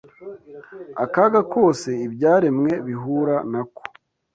akaga kose ibyaremwe bihura nako